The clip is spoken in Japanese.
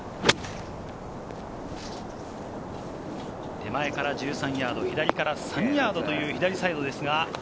手前から１３ヤード、左から３ヤードという左サイドですが。